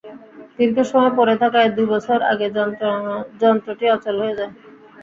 দীর্ঘ সময় পড়ে থাকায় দুই বছর আগে যন্ত্রটি অচল হয়ে যায়।